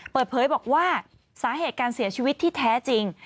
เปิดเผยบอกว่าสาเหตุการเสียชีวิตที่แท้จริง